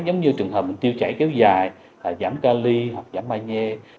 giống như trường hợp tiêu chảy kéo dài giảm ca ly hoặc giảm ba nhê